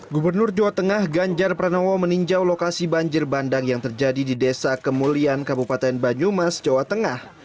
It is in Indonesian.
gubernur jawa tengah ganjar pranowo meninjau lokasi banjir bandang yang terjadi di desa kemulian kabupaten banyumas jawa tengah